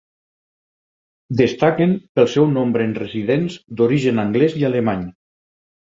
Destaquen pel seu nombre els residents d'origen anglés i alemany.